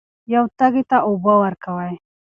یو تږي ته اوبه ورکړئ.